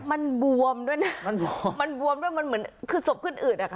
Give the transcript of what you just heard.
มันบวมด้วยนะมันบวมมันบวมด้วยมันเหมือนคือศพขึ้นอืดอะค่ะ